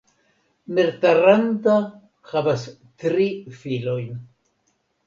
Mertaranta havas tri filojn.